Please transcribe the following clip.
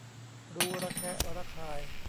รู้ระแคะระคาย